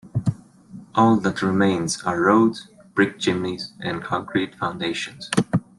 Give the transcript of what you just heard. All that remains are roads, brick chimneys and concrete foundations.